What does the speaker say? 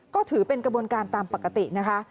ก็ถือเป็นกระบวนการตามปกตินะคะ